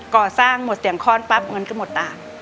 ก่อสร้างหมดเสียงคลอดปั๊บเงินก็หมดตา